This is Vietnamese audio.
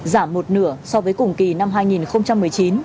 giảm một nửa so với cùng kỳ năm hai nghìn một mươi chín